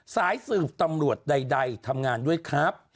สายสืบตำรวจใดทำงานด้วยครับ